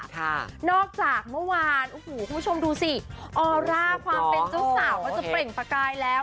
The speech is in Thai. ค่ะนอกจากเมื่อวานโอ้โหคุณผู้ชมดูสิออร่าความเป็นเจ้าสาวเขาจะเปล่งประกายแล้ว